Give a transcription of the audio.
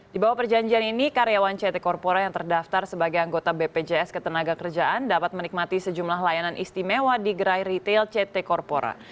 di bawah perjanjian ini karyawan ct corpora yang terdaftar sebagai anggota bpjs ketenaga kerjaan dapat menikmati sejumlah layanan istimewa di gerai retail ct corpora